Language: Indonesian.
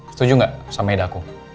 setuju enggak sama eda aku